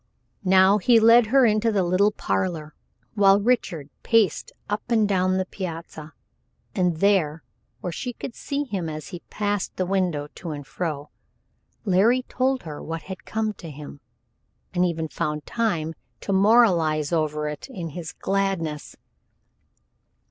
Now he led her into the little parlor, while Richard paced up and down the piazza, and there, where she could see him as he passed the window to and fro, Larry told her what had come to him, and even found time to moralize over it, in his gladness.